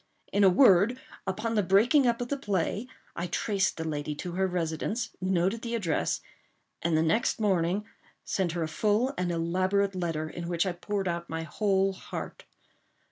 In a word, upon the breaking up of the play, I traced the lady to her residence, noted the address, and the next morning sent her a full and elaborate letter, in which I poured out my whole heart.